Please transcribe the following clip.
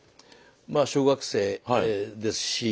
まあ小学生ですし。